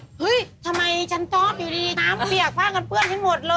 เฮ้ยทำไมฉันกบอยู่ดีดีน้ำเกี่ยวภาพกันพรื่อมีอีกหมดเลย